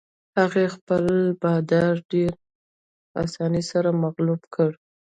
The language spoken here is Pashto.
هغې خپل بادار په ډېرې اسانۍ سره مغلوب کړ.